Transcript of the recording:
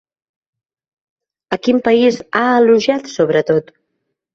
A quin país ha elogiat sobretot?